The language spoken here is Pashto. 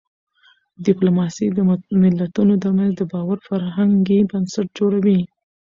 ډيپلوماسي د ملتونو ترمنځ د باور فرهنګي بنسټ جوړوي.